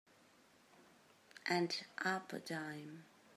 And up a dime.